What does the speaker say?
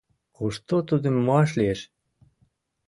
— Кушто тудым муаш лиеш?